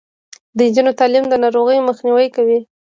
د نجونو تعلیم د ناروغیو مخنیوی کوي.